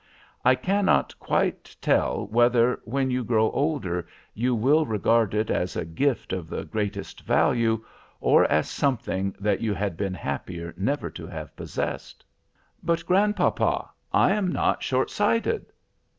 I cannot quite tell whether, when you grow older, you will regard it as a gift of the greatest value or as something that you had been happier never to have possessed.' "'But grandpapa, I am not short sighted.